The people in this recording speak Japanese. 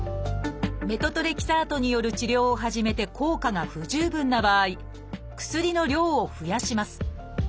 メトトレキサートによる治療を始めて効果が不十分な場合薬の量を増やします。